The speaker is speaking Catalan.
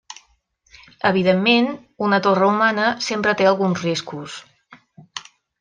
Evidentment, una torre humana sempre té alguns riscos.